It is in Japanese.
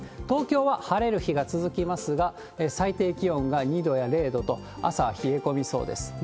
東京は晴れる日が続きますが、最低気温が２度や０度と、朝冷え込みそうです。